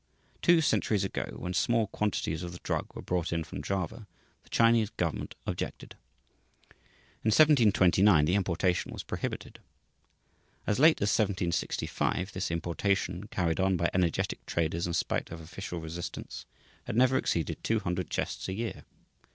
Two centuries ago when small quantities of the drug were brought in from Java, the Chinese government objected. In 1729 the importation was prohibited. As late as 1765, this importation, carried on by energetic traders in spite of official resistance, had never exceeded two hundred chests a year.